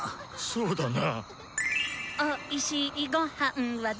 そうだな。